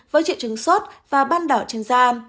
với triệu chứng sốt và ban đỏ trên da